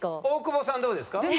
大久保さんどうですか？